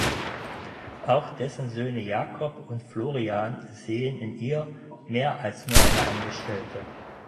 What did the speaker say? Auch dessen Söhne Jakob und Florian sehen in ihr mehr als nur eine Angestellte.